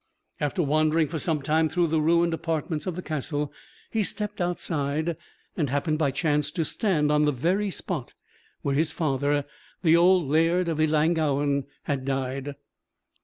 After wandering for some time through the ruined apartments of the castle, he stepped outside, and happened by chance to stand on the very spot where his father the old Laird of Ellangowan had died.